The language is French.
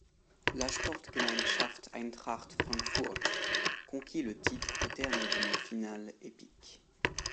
La Sportgemeinschaft Eintracht Frankfurt conquit le titre, au terme d'une finale épique.